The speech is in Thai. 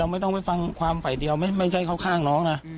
เราไม่ต้องไปฟังความฝ่ายเดียวไม่ใช่ข้าง